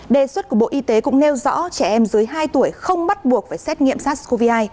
đề xuất của bộ y tế cũng nêu rõ trẻ em dưới hai tuổi không bắt buộc phải xét nghiệm sars cov hai